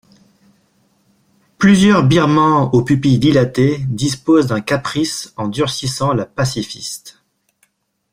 Plusieurs birmans aux pupilles dilatées disposent d'un caprice en durcissant la pacifiste.